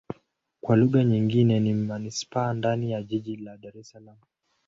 Kwa lugha nyingine ni manisipaa ndani ya jiji la Dar Es Salaam.